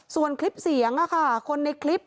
ส่วนคลิปเสียงคนในคลิป